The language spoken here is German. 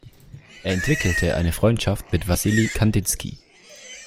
Er entwickelte eine Freundschaft mit Wassily Kandinsky.